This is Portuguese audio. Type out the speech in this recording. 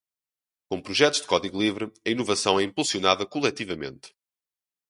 Com projetos de código livre, a inovação é impulsionada coletivamente.